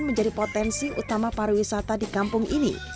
menjadi potensi utama pariwisata di kampung ini